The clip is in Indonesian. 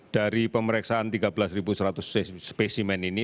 dari pemeriksaan tiga belas seratus spesimen ini